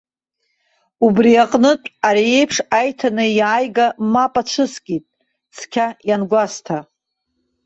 Убри аҟнытә, ари еиԥш аиҭанеиааига мап ацәыскит, цқьа иангәасҭа.